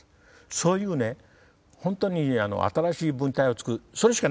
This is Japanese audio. そういう本当に新しい文体を作るそれしかないんですから。